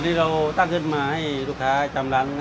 ปกติเราตั้งขึ้นมาให้ลูกค้าจำน้ำง่ายว่า